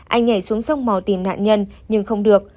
anh nhảy xuống sông mò tìm nạn nhân nhưng không được